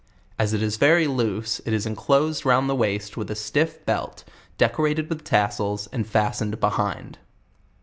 As it is very loose, it is enclosed round the waist with a stiff belt, decorated with tassels, and fas tened behind.